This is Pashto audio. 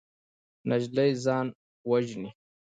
نجلۍ ځان وژني.